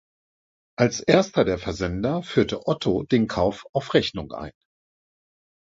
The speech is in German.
Als Erster der Versender führte Otto den Kauf auf Rechnung ein.